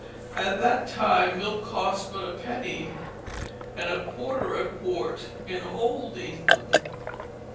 At that time milk cost but a penny and a quarter a quart in old England.